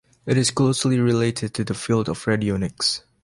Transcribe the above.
It is closely related to the field of radionics.